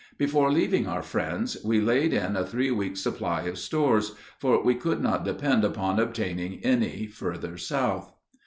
Before leaving our friends, we laid in a three weeks' supply of stores; for we could not depend upon obtaining any further south.